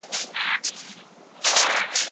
ګرانه دوسته! ځو جنت ته دریم نه سي ځايېدلای